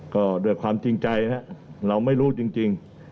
ก็ด้วยความจริงใจนะเราไม่รู้จริง